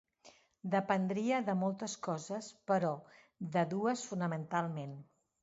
Dependria de moltes coses però de dues fonamentalment.